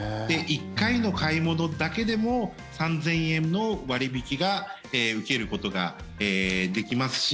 １回の買い物だけでも３０００円の割引が受けることができますし